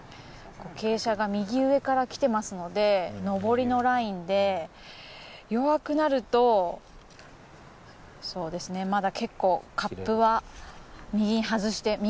傾斜が右上から来てますので上りのラインで弱くなるとそうですねまだ結構カップは右に外して。